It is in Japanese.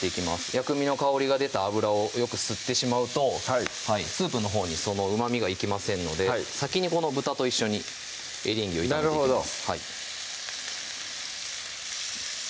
薬味の香りが出た油をよく吸ってしまうとスープのほうにそのうまみがいきませんので先にこの豚と一緒にエリンギを炒めていきます